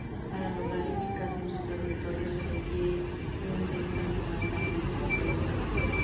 Para lograr eficacia en su trayectoria se requiere un de cañón altamente especializado.